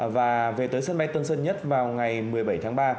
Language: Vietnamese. và về tới sân bay tân sơn nhất vào ngày một mươi bảy tháng ba